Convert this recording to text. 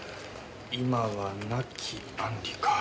今はなき安里か。